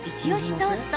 トースト